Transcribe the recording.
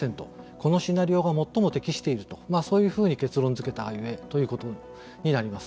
このシナリオが最も適しているとそういうふうに結論づけたゆえということになります。